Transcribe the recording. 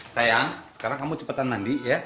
sayang sekarang kamu cepetan mandi